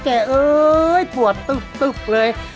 มันดิวฝเรียน